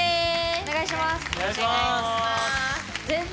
お願いします！